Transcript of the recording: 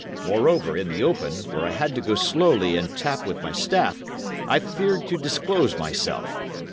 Moreover, in the open, where I had to go slowly and tap with my staff, I feared to disclose myself.